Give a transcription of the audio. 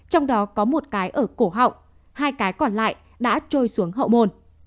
trong đó có một cái ở cổ họng hai cái còn lại đã trôi xuống hậu bồn